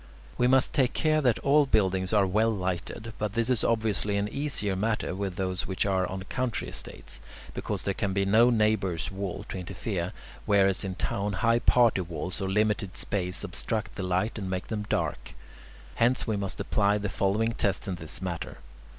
We must take care that all buildings are well lighted, but this is obviously an easier matter with those which are on country estates, because there can be no neighbour's wall to interfere, whereas in town high party walls or limited space obstruct the light and make them dark. Hence we must apply the following test in this matter.